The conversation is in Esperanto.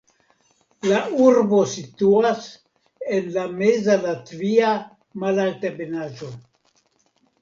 La urbo situas en la Meza Latvia malaltebenaĵo.